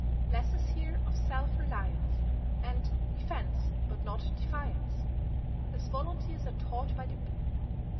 _"] Lessons here of self reliance, And "defence but not defiance," As Volunteers are taught by the Bee.